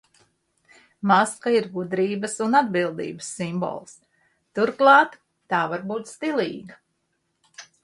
Maska ir gudrības un atbildības simbols. Turklāt, tā var būt stilīga.